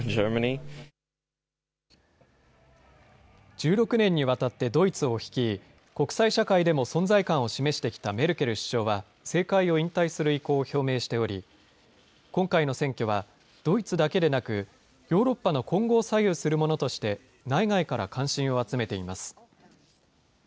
１６年にわたってドイツを率い、国際社会でも存在感を示してきたメルケル首相は、政界を引退する意向を表明しており、今回の選挙は、ドイツだけでなく、ヨーロッパの今後を左右するものとして、内外から関心を集めています。